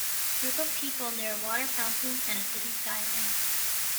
Group of people near a water fountain and a city skyline.